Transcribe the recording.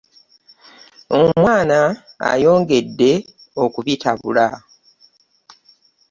Omwana ayongedde okubitabula.